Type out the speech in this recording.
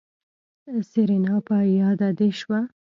سېرېنا په ياده دې شوه.